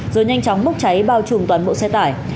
rồi nhanh chóng bốc cháy bao trùm toàn bộ xe tải